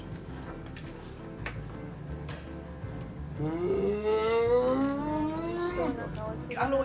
うん！